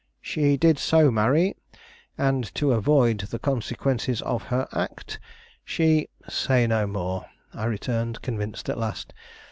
She did so marry, and to avoid the consequences of her act she " "Say no more," I returned, convinced at last.